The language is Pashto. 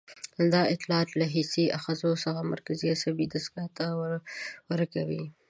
دا اطلاعات له حسي آخذو څخه مرکزي عصبي دستګاه ته ورکوي.